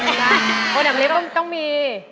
นำเลี้ยบต้องมี